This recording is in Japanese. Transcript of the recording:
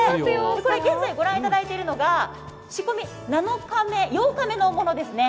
現在ご覧いただいているのが、仕込み８日目のものですね。